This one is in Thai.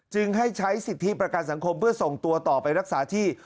จึงให้ใช้สิทธิประกันสังคมเพื่อส่งตัวต่อไปรักษาที่